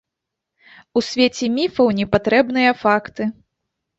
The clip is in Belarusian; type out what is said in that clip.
У свеце міфаў не патрэбныя факты.